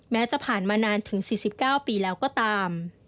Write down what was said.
จะผ่านมานานถึง๔๙ปีแล้วก็ตาม